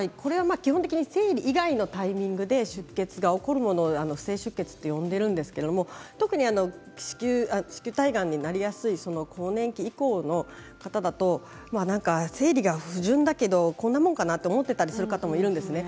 基本的に生理以外のタイミングで出血が起こるものを不正出血と呼んでいるんですけれど特に子宮体がんになりやすい更年期以降の方だと生理が不順だけどこんなもんかなと思ったりする方も多いですね。